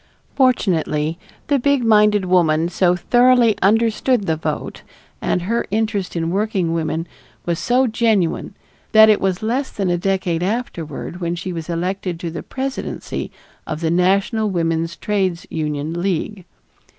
Fortunately, the big minded woman so thoroughly understood the vote and her interest in working women was so genuine that it was less than a decade afterward when she was elected to the presidency of the National Woman's Trades Union League.